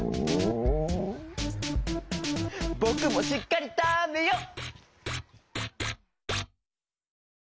ぼくもしっかりたべよ！